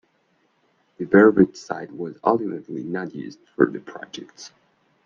The Burwood site was ultimately not used for the project.